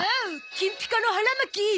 金ピカの腹巻き！